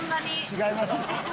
違います。